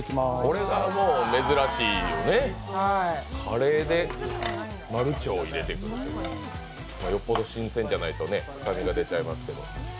これがもう珍しいですよね、カレーで丸腸入れてくるってよほど新鮮じゃないと臭みが出ちゃいますけど。